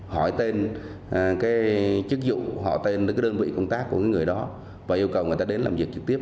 hỏi tên cái chức vụ họ tên cái đơn vị công tác của người đó và yêu cầu người ta đến làm việc trực tiếp